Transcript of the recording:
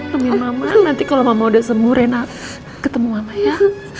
lebih mama nanti kalau mama udah sembuh renat ketemu mama ya